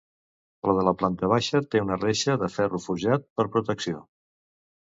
La de la planta baixa té una reixa de ferro forjat per protecció.